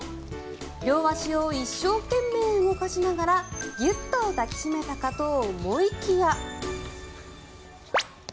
両足を一生懸命動かしながらギュッと抱き締めたかと思いきや。